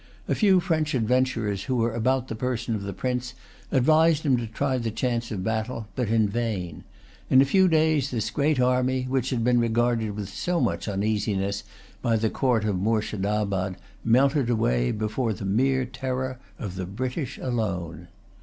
A few French adventurers who were about the person of the prince advised him to try the chance of battle; but in vain. In a few days this great army, which had been regarded with so much uneasiness by the court of Moorshedabad, melted away before the mere terror of the British name.